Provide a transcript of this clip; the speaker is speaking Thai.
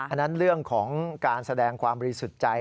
อันนั้นเรื่องของการแสดงความบริสุทธิ์ใจ